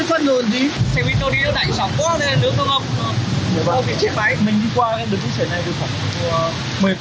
xe mít nó đi nó đánh sọc quá nên nước nó ngọc